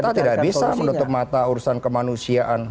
kita tidak bisa menutup mata urusan kemanusiaan